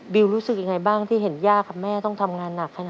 รู้สึกยังไงบ้างที่เห็นย่ากับแม่ต้องทำงานหนักขนาดนี้